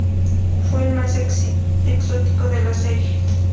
Fue el más exótico de la serie.